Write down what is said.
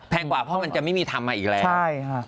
กว่าเพราะมันจะไม่มีทำมาอีกแล้วใช่ค่ะ